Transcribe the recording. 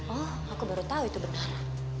oh aku baru tahu itu benar